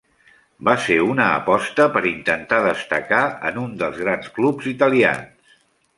Va ser una aposta per intentar destacar en un dels grans clubs italians.